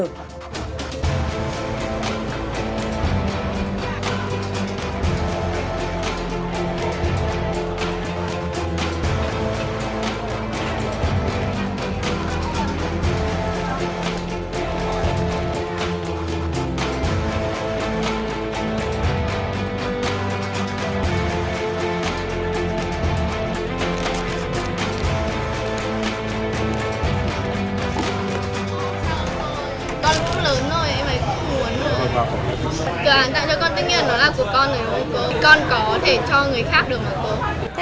cô bé kìa